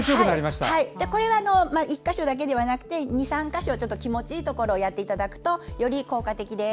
これは１か所だけではなくて２３か所気持ちいいところをやっていただくとより効果的です。